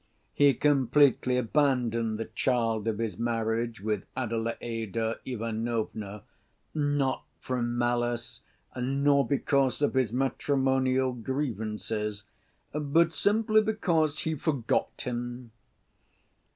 He completely abandoned the child of his marriage with Adelaïda Ivanovna, not from malice, nor because of his matrimonial grievances, but simply because he forgot him.